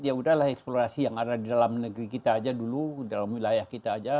ya udahlah eksplorasi yang ada di dalam negeri kita aja dulu dalam wilayah kita aja